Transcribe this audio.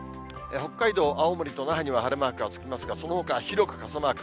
北海道、青森と那覇には晴れマークがつきますが、そのほかは広く傘マーク。